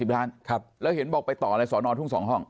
๕๐ล้านครับแล้วเห็นบอกไปต่ออะไรสอนอนทุ่ง๒ห้อง